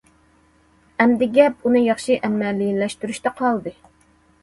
ئەمدى گەپ ئۇنى ياخشى ئەمەلىيلەشتۈرۈشتە قالدى.